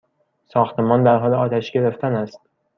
ساختمان در حال آتش گرفتن است!